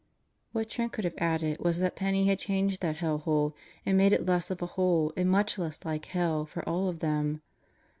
What Trent could have added was that Penney had changed that hellhole and made it less of a hole and much less like hell for all of them.